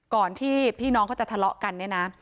ก่อนที่พี่น้องเขาจะทะเลาะกันเนี่ยนะ